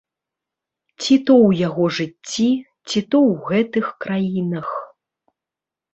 Ці то ў яго жыцці, ці то ў гэтых краінах.